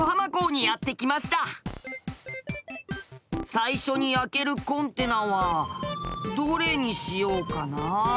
最初に開けるコンテナはどれにしようかな。